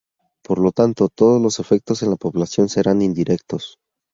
Por lo tanto, todos los efectos en la población serán indirectos.